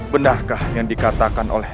benarkah yang dikatakan oleh